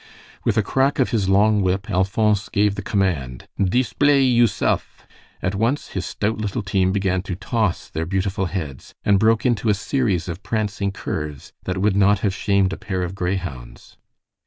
With a crack of his long whip Alphonse gave the command, "Deesplay yousef!" At once his stout little team began to toss their beautiful heads, and broke into a series of prancing curves that would not have shamed a pair of greyhounds.